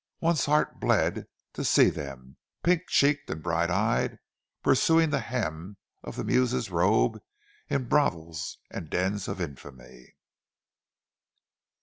One's heart bled to see them, pink cheeked and bright eyed, pursuing the hem of the Muse's robe in brothels and dens of infamy!